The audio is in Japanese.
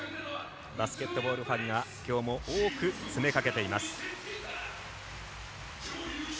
バスケットボールファンがきょうも多く詰めかけています。